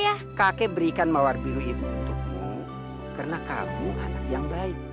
kakek akan memberikan mawar biru untukmu karena kamu anak yang baik